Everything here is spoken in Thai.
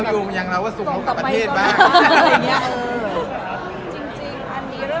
ดูไม่ตรงกับประเทศ